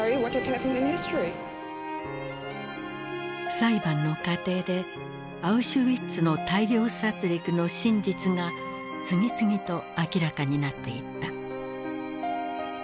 裁判の過程でアウシュビッツの大量殺りくの真実が次々と明らかになっていった。